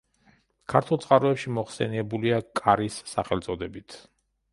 ქართულ წყაროებში მოხსენიებულია „კარის“ სახელწოდებით.